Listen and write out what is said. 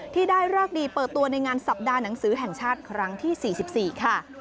ที่ได้เลิกดีเปิดตัวในงานสัปดาห์หนังสือแห่งชาติครั้งที่๔๔ค่ะ